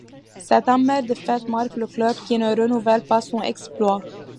Cette amère défaite marque le club qui ne renouvelle pas son exploit.